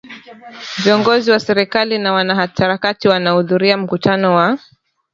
Viongozi wa serikali na wanaharakati wanaohudhuria mkutano wa